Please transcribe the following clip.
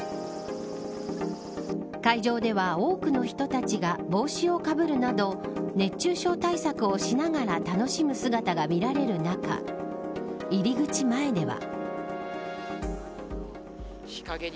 会場では多くの人たちが帽子をかぶるなど熱中症対策をしながら楽しむ姿が見られる中入り口前では。